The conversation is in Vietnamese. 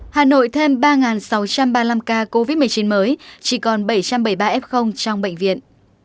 hà nội thêm ba sáu trăm ba mươi năm ca covid một mươi chín mới chỉ còn bảy trăm bảy mươi ba f trong bệnh viện